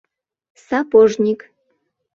— Сапожник!